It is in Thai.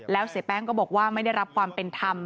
แล้วเสียแป้งก็บอกว่าไม่ได้รับความเป็นธรรม